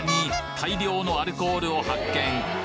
大量のアルコールを発見